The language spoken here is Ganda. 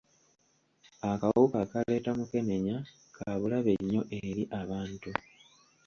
Akawuka akaleeta mukenenya ka bulabe nnyo eri abantu.